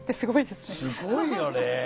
すごいよね！